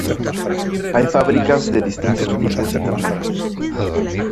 Hay fábricas de distintos tipos y tamaños.